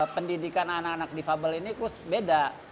pendidikan anak anak difabel ini terus beda